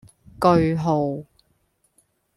句號